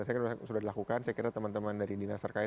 saya kira teman teman dari dinas terkait